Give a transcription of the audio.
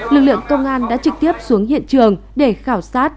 lực lượng công an đã trực tiếp xuống hiện trường để khảo sát